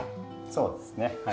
そうですねはい。